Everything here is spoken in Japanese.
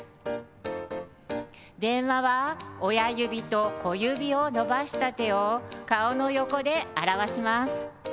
「電話」は親指と小指を伸ばした手を顔の横で表します。